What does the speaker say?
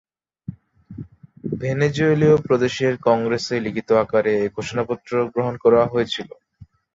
ভেনেজুয়েলীয় প্রদেশের কংগ্রেসে লিখিত আকারে এ ঘোষণাপত্র গ্রহণ করা হয়েছিল।